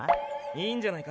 いいんじゃないか？